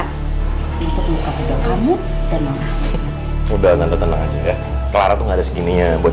untuk ngelukang bedot kamu dan mona ubah tante tenang aja ya clara tuh nggak ada segininya buat